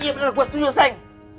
iya bener gue setuju sayang